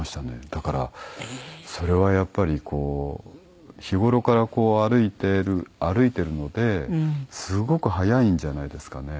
だからそれはやっぱりこう日頃から歩いてるのですごく早いんじゃないですかね。